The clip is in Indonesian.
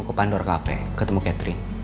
aku mau ke pandora cafe ketemu catherine